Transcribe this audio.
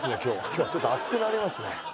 今日はちょっと熱くなりますね。